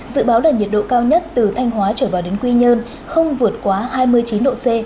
dự báo là nhiệt độ cao nhất từ thanh hóa trở vào đến quy nhơn không vượt quá hai mươi chín độ c